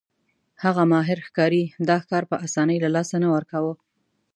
هغه ماهر ښکاري دا ښکار په اسانۍ له لاسه نه ورکاوه.